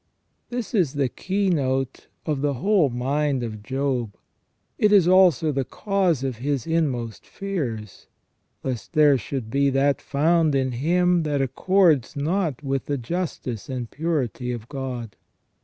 This is the keynote of the whole mind of Job. It is also the cause of his inmost fears, lest there should be that found in him that accords not with the justice and purity of God.